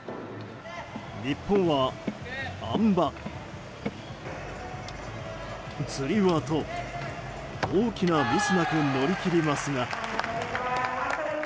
日本は、あん馬、つり輪と大きなミスなく乗り切りますが。